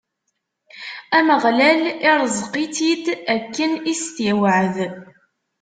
Ameɣlal ireẓq-itt-id, akken i s-t-iwɛed.